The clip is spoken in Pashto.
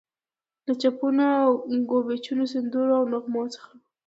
له چپنو او ګوبیچو، سندرو او نغمو څخه.